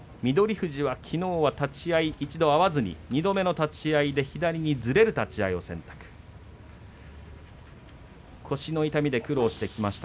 富士は、きのうは立ち合い１度合わずに２度目の立ち合いで左にずれる立ち合いを選択しました。